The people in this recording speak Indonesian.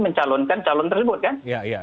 mencalonkan calon tersebut kan